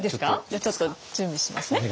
じゃあちょっと準備しますね。